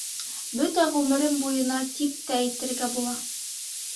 Бөтә ғүмерем буйына тип тә әйтергә була.